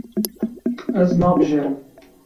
Ez nabijêrim.